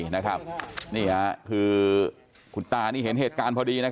นี่ค่ะคือคุณตานี่เห็นเหตุการณ์พอดี